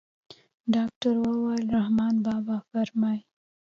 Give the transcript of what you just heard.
ډاکتر وويل رحمان بابا فرمايي.